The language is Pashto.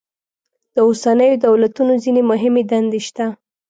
د اوسنیو دولتونو ځینې مهمې دندې شته.